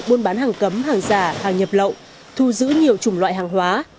buôn bán hàng cấm hàng giả hàng nhập lậu thu giữ nhiều chủng loại hàng hóa